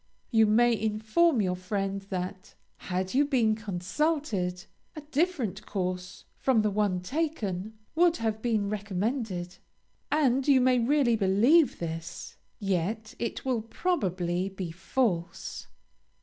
You may inform your friend that, "had you been consulted, a different course from the one taken would have been recommended," and you may really believe this, yet it will probably be false.